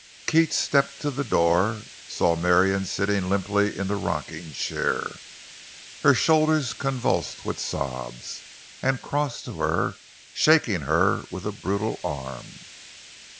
Keats stepped to the door, saw Marion sitting limply in the rocking chair, her shoulders convulsed with sobs, and crossed to her, shaking her with a brutal arm.